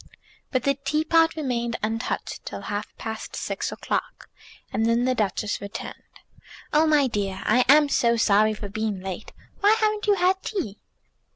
But the teapot remained untouched till past six o'clock, and then the Duchess returned. "Oh, my dear, I am so sorry for being late. Why haven't you had tea?"